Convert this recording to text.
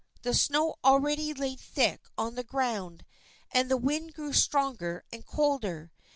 The snow already lay thick on the ground, and the wind grew stronger and colder.